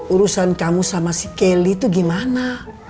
urusan kamu sama si kelly itu gimana